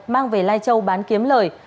mang về lai châu bán kiếm lời